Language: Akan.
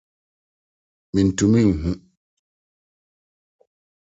Mintumi nhu.